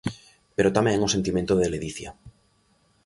Pero tamén o sentimento de ledicia.